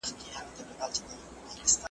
ماشوم په نامنتظره چټکتیا سره په دې پسې گرځېده.